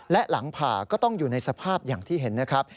และหลังผ่าก็ต้องอยู่ในสภาพอย่างที่เห็นนะครับ